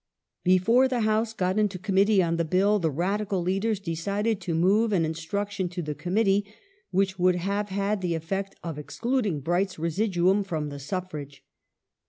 Before the House got into Committee on the Bill the Radical leadei s decided to move an Instruction to the Committee which would have had the effect of excluding Bright's residuum from the suffrage.